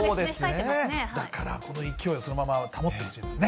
だからこの勢いをそのまま保ってほしいですね。